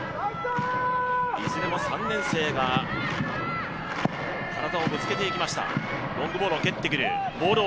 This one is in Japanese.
いずれも３年生が体をぶつけていきました。